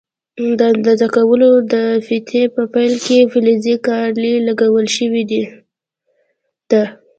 د اندازه کولو لپاره د فیتې په پیل کې فلزي کړۍ لګول شوې ده.